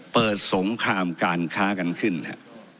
สงครามการค้ากันขึ้นฮะ